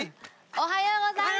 おはようございます。